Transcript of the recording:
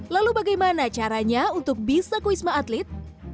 lalu bagaimana caranya untuk bisa ke wisma atlet